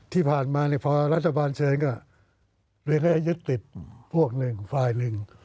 ที่ผ่านมาพอรัฐบาลเชิญก็เรียกให้ยึดติดพวกหนึ่งฝ่ายหนึ่ง